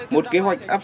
màu gì đây